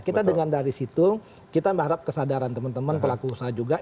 kita dengan dari situng kita mengharap kesadaran teman teman pelaku usaha juga